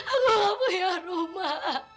aku gak punya rumah